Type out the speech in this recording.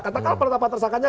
katakanlah peratapan tersangkanya